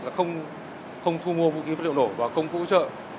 là không thu mua vũ khí vật liệu nổ và công cụ hỗ trợ